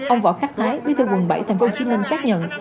ông võ khắc thái bí thư quận bảy thành phố hồ chí minh xác nhận